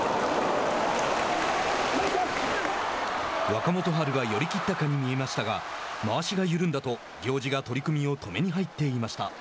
若元春が寄り切ったかに思われましたがまわしが緩んだと、行司が取組を止めに入っていました。